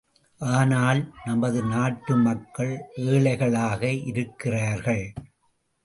ஆனால், நமது நாட்டு மக்கள் ஏழைகளாக இருக்கிறார்கள்!